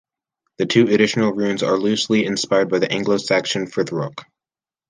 The two additional runes are loosely inspired by the Anglo-Saxon Futhorc.